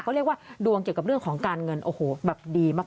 เขาเรียกว่าดวงเกี่ยวกับเรื่องของการเงินโอ้โหแบบดีมาก